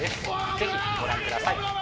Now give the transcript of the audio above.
ぜひご覧ください